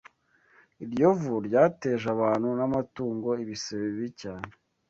Iryo vu ryateje abantu n’amatungo ibisebe bibi cyane